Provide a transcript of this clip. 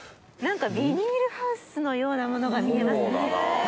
ビニールハウスのようなものが見えますね。